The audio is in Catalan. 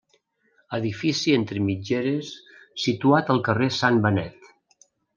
Edifici entre mitgeres situat al carrer Sant Benet.